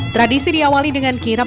tradisi diawali dengan kirap